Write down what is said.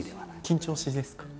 緊張しいですか？